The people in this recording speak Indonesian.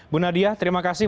bu nadia terima kasih